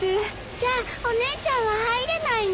じゃあお姉ちゃんは入れないの？